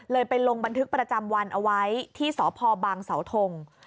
ไปลงบันทึกประจำวันเอาไว้ที่สพบางเสาทง